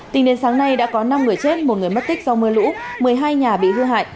tính đến sáng nay đã có năm người chết một người mất tích do mưa lũ một mươi hai nhà bị hư hại